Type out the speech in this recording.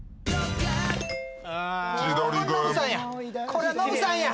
これノブさんや！